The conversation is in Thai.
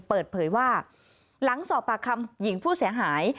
เปิดเผยว่าหลังสอบปากคำหญิงผู้เสียหาย